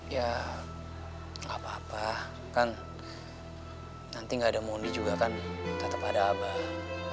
ya gak apa apa kan nanti gak ada mondi juga kan tetep ada abah